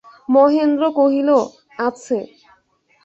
মহেন্দ্র কহিল, আছে।